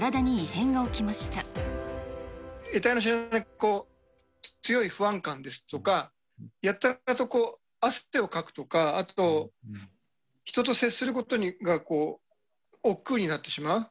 えたいの知れない強い不安感ですとか、やたらとこう、汗をかくとか、あと、人と接することがおっくうになってしまう。